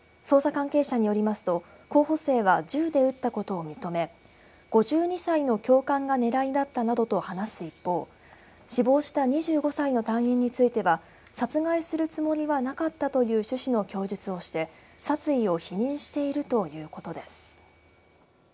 捜査関係者によりますと候補生は、銃で撃ったことを認め５２歳の教官が狙いだったなどと話す一方死亡した２５歳の隊員については殺害するつもりはなかったという趣旨の供述をして殺意を否認しているということです。